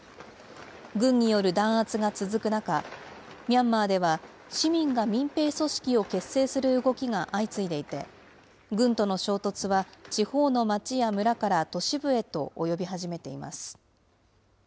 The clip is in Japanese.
軍による弾圧が続く中、ミャンマーでは、市民が民兵組織を結成する動きが相次いでいて、軍との衝突は地方の町や村から都市部へと及び始めています。